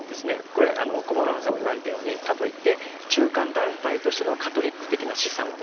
これ駒村さんも言われたようにかといって中間団体としてのカトリック的な資産をですね